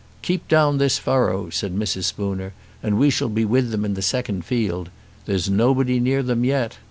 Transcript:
"Keep down this furrow," said Mrs. Spooner, "and we shall be with them in the second field. There's nobody near them yet."